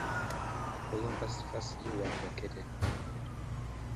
Columbus's first zoo was located in Clintonville.